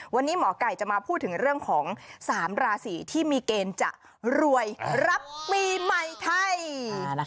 วันนี้หมอไก่จะมาพูดถึงเรื่องของ๓ราศีที่มีเกณฑ์จะรวยรับปีใหม่ไทย